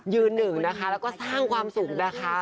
ยืนหนึ่งนะคะแล้วก็สร้างความสุขนะคะ